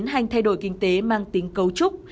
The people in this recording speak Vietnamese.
bắc kinh đã tiến hành thay đổi kinh tế mang tính cấu trúc